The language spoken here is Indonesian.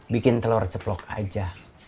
bikin telur ceplok aja